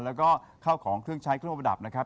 แล้วก็เข้าของเครื่องใช้เครื่องประดับนะครับ